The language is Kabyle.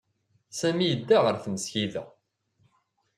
Sami yedda ɣer tmesgida.